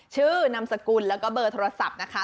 ชื่อนามสกุลและก็เปอร์โทรศัพท์นะคะ